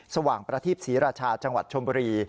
สว่างประทีปศรีราชาจังหวัดชมบุรี